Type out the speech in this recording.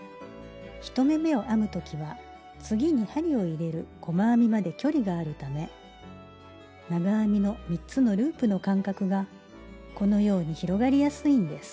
１目めを編む時は次に針に入れる細編みまで距離があるため長編みの３つのループの間隔がこのように広がりやすいんです。